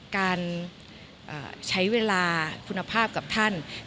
การใช้เวลาคุณภาพกับท่าน